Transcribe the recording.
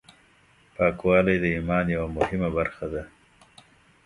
پاکوالی د ایمان یوه مهمه برخه ده.